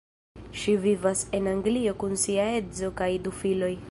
Ŝi vivas en Anglio kun sia edzo kaj du filoj.